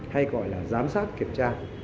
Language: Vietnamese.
hay gọi là giám sát kiểm tra